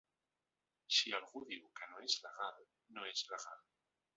Si algú diu que no és legal, no és legal.